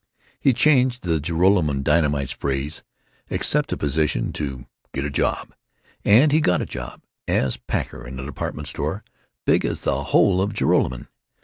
He changed the Joralemon Dynamite's phrase, "accept a position" to "get a job"—and he got a job, as packer in a department store big as the whole of Joralemon.